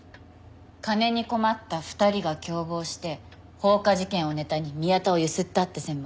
金に困った２人が共謀して放火事件をネタに宮田をゆすったって線も。